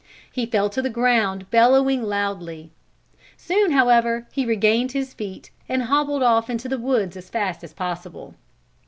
He fell to the ground bellowing loudly. Soon however he regained his feet and hobbled off into the woods as fast as possible.